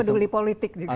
tidak peduli politik juga